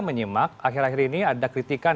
menyimak akhir akhir ini ada kritikan